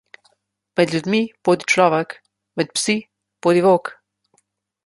Med ljudmi bodi človek, med psi bodi volk.